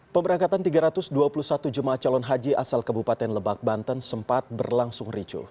pemberangkatan tiga ratus dua puluh satu jemaah calon haji asal kabupaten lebak banten sempat berlangsung ricu